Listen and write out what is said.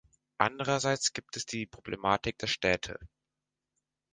Andererseits gibt es die Problematik der Städte.